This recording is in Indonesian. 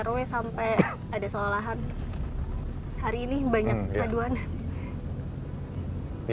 hari ini banyak aduan